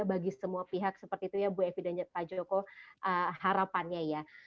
bagi semua pihak seperti itu ya bu evi dan pak joko harapannya ya